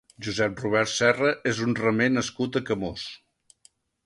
Josép Robert Serra és un remer nascut a Camós.